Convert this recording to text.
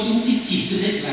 chúng chỉ dự định là